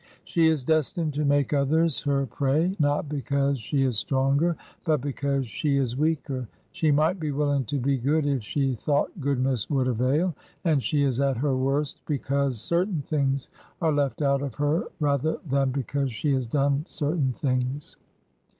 She is destined to make others her prey, not because she is stronger, but because she is weaker; she might be willing to be good if she thought goodness would avail; and she is at her worst because certain things are left out of her rather than because she has done certain things.